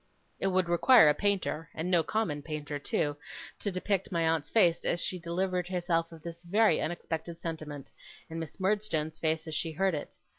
It would require a painter, and no common painter too, to depict my aunt's face as she delivered herself of this very unexpected sentiment, and Miss Murdstone's face as she heard it.